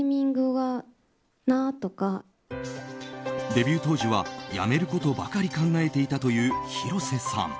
デビュー当時は辞めることばかり考えていたという広瀬さん。